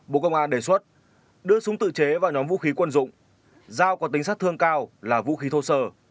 bộ công an đề xuất đưa súng tự chế vào nhóm vũ khí quân dụng dao có tính sát thương cao là vũ khí thô sơ